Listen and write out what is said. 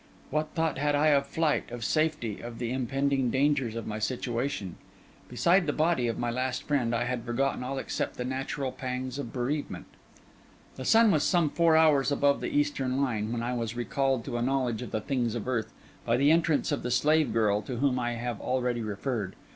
What thought had I of flight, of safety, of the impending dangers of my situation? Beside the body of my last friend, I had forgotten all except the natural pangs of my bereavement. The sun was some four hours above the eastern line, when I was recalled to a knowledge of the things of earth, by the entrance of the slave girl to whom I have already referred.